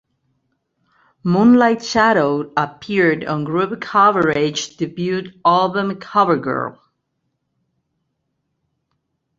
"Moonlight Shadow" appeared on Groove Coverage's debut album, "Covergirl".